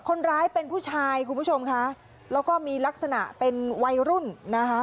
คนร้ายเป็นผู้ชายคุณผู้ชมค่ะแล้วก็มีลักษณะเป็นวัยรุ่นนะคะ